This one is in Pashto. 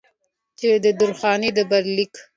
چې د درخانۍ د برخليک